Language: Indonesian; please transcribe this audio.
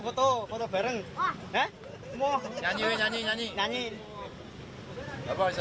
di tempat yang asli di jemaah